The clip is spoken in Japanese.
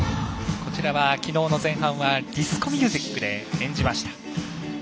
こちらは、きのうの前半はディスコミュージックで演じました。